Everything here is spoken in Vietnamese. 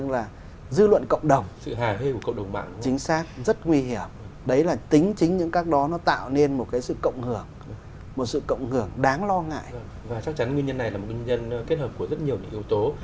là một nguyên nhân kết hợp của rất nhiều những yếu tố